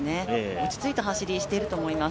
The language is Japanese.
落ち着いた走り、してると思います